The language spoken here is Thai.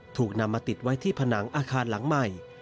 ถูกนำมาติดไว้ที่ผนังอาคารหลังใหม่